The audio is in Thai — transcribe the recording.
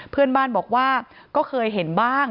เพื่อนบ้านบอกว่าก็เคยเห็นบ้าง